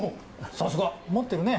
さすが持ってるね。